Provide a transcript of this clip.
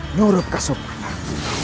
nyurup ke sukanan